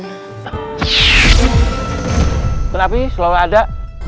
tunggu api selalu ada